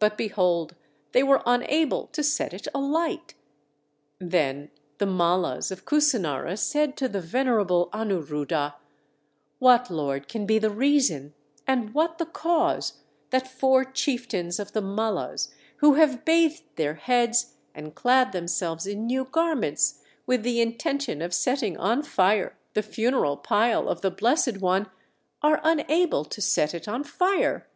But, behold, they were unable to set it alight! Then the Mallas of Kusinara said to the venerable Anuruddha: "What, Lord, can be the reason, and what the cause, that four chieftains of the Mallas who have bathed their heads, and clad themselves in new garments, with the intention of setting on fire the funeral pile of the Blessed One, are unable to set it on fire?"